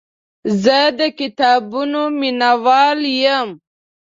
زه د کتابونو مینهوال یم.